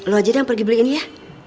lo aja deh yang pergi beliin ya